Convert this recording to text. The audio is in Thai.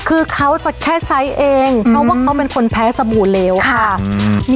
คือเขาจะแค่ใช้เองเพราะว่าเขาเป็นคนแพ้สบู่เลวค่ะอืม